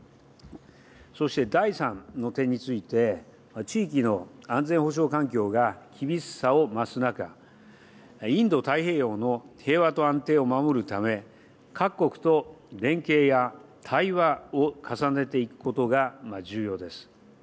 そして第３の点について、地域の安全保障環境が厳しさを増す中、インド太平洋の平和と安定を守るため、各国と連携や対話を重ねていくことが重要です。